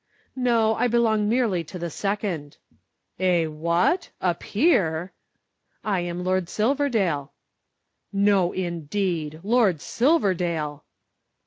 "No, I belong merely to the Second." "Eh? What? A Peer!" "I am Lord Silverdale." "No, indeed! Lord Silverdale!"